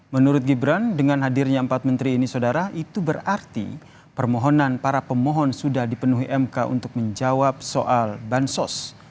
menurut gibran dengan hadirnya empat menteri ini saudara itu berarti permohonan para pemohon sudah dipenuhi mk untuk menjawab soal bansos